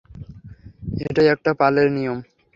এটাই একটা পালের নিয়ম।